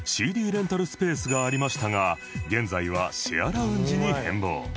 レンタルスペースがありましたが現在はシェアラウンジに変貌